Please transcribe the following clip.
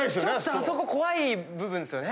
あそこ怖い部分ですよね。